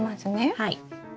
はい。